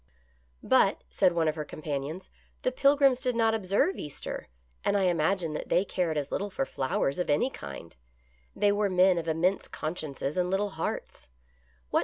" But," said one of her companions, " the Pilgrims did not observe Easter, and I imagine that they cared as little for flowers of any kind. They were men of immense consciences and little hearts.